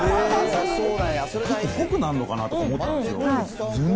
もっと濃くなるのかなと思ったんですよ。